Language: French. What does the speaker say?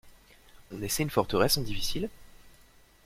On essaie une forteresse en difficile?